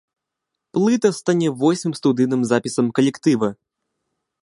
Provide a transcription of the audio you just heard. Плыта стане восьмым студыйным запісам калектыва.